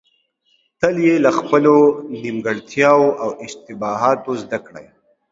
تل يې له خپلو نيمګړتياوو او اشتباهاتو زده کړئ.